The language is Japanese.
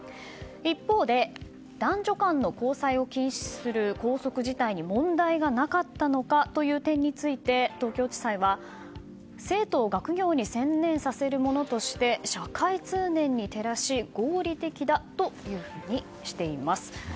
一方で男女間の交際を禁止する校則自体に問題がなかったのかという点について東京地裁は、生徒を学業に専念させるものとして社会通念に照らし合理的だというふうにしています。